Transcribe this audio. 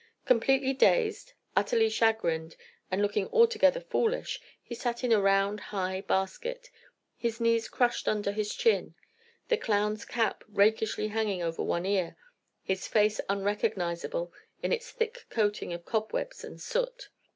Completely dazed, utterly chagrined, and looking altogether foolish, he sat in a round, high basket, his knees crushed under his chin, the clown's cap rakishly hanging over one ear, his face unrecognizable in its thick coating of cobwebs and soot.